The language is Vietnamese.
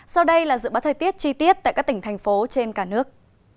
sau đây là dự báo thời tiết chi tiết tại các tỉnh thành phố trên cả nước